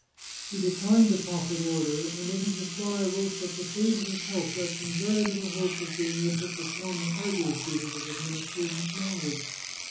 He declined the proffered Order, and in his reply, wrote that the state of his health left him very little hope of being able to per form the arduous duties of his ministry much longer.